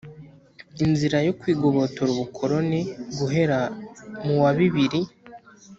inzira yo kwigobotora ubukoloni guhera mu wa bibiri.